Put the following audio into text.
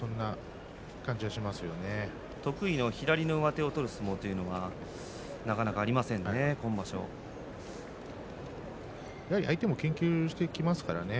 得意の左の上手を取る相撲というのはやはり相手も研究してきますからね。